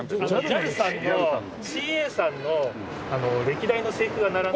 ＪＡＬさんのＣＡさんの歴代の制服が並んでる。